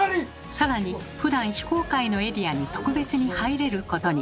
更にふだん非公開のエリアに特別に入れることに。